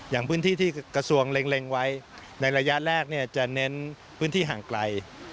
อย่างพื้นที่ที่กระทรวงเงียบไว้ในระยะแรกว่าจะเน้น็พฤศาสตร์ที่ห่างไกล